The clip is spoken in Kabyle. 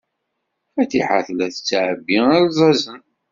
Fatiḥa tella tettɛebbi alzazen.